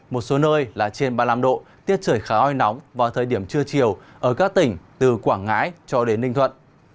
mới là trên ba mươi năm độ tiết trời khá oi nóng vào thời điểm trưa chiều ở các tỉnh từ quảng ngãi cho đến ninh thuận